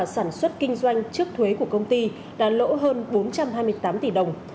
sản xuất kinh doanh trước thuế của công ty đã lỗ hơn bốn trăm hai mươi tám tỷ đồng